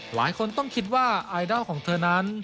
หลายคนต้องคิดว่าไอดอลของเธอนั้น